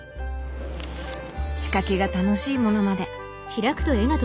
仕掛けが楽しいものまで。